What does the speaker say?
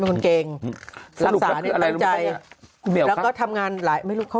ของคุณอันนี้ค่ะ